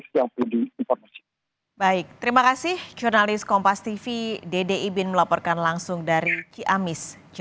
seperti itu saya sekalian beri informasi